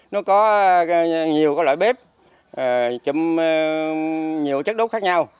nó có nhiều loại bếp chụm nhiều chất đốt khác nhau